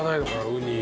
ウニ。